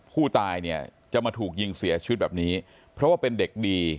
ผู้ตายเนี่ยจะมาถูกยิงเสียชีวิตแบบนี้เพราะว่าเป็นเด็กดี